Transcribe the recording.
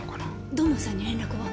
土門さんに連絡を。